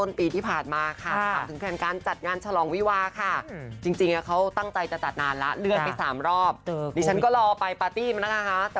ดัดต่อเองก็คิดว่าคงจะเป็นอย่างนี้ไปอีก